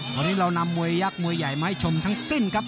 วันนี้เรานำมวยยักษ์มวยใหญ่มาให้ชมทั้งสิ้นครับ